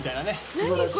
素晴らしい。